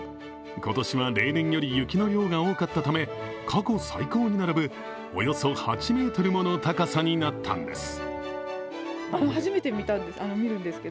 今年は例年より雪の量が多かったため、過去最高に並ぶおよそ８ｍもの高さになったのです。